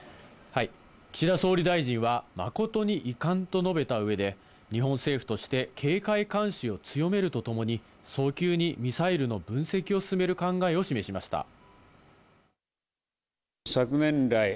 岸田総理大臣は誠に遺憾と述べた上で日本政府として警戒監視を強めるとともに、早急にミサイルの分析を進める考えを示しました。